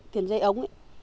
tiền dây ấu